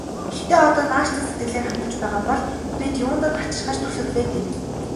Гэхдээ одоо нааштай сэтгэлээр хандаж байгаа бол бид юунд нь хачирхаж түлхэх вэ дээ.